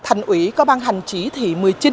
thành ủy có ban hành chỉ thị một mươi chín